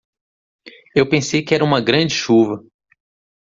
Eu pensei que era uma grande chuva